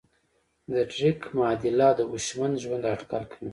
د ډریک معادله د هوشمند ژوند اټکل کوي.